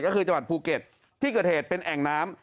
ก็คือจังหวัดภูเก็ตที่เกิดเหตุเป็นแอ่งน้ำ